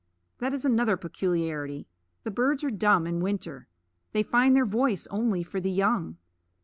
That is another peculiarity: the birds are dumb in winter; they find their voice only for the young.